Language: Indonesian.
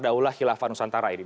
daulah khilafah nusantara ini